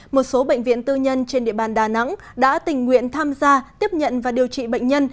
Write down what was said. một số bệnh viện tư nhân trên địa bàn đà nẵng đã tình nguyện tham gia tiếp nhận và điều trị bệnh nhân